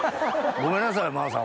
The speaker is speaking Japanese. ごめんなさい真央さん